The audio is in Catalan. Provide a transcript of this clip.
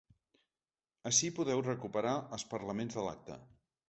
Ací podeu recuperar els parlaments de l’acte.